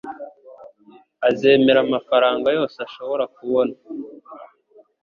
Azemera amafaranga yose ashobora kubona